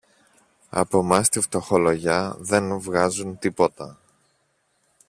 Από μας τη φτωχολογιά δε βγάζουν τίποτα.